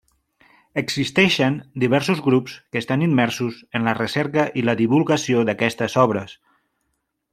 Existeixen diversos grups que estan immersos en la recerca i la divulgació d'aquestes obres.